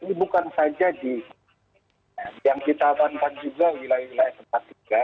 ini bukan saja yang kita amankan juga wilayah wilayah tempat tiga